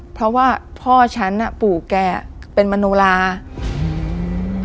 เพราะว่าพ่อฉันอ่ะปู่แกเป็นมโนราอืม